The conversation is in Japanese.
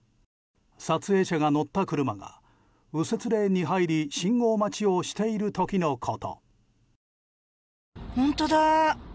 撮影者が乗った車が右折レーンに入り信号待ちをしている時のこと。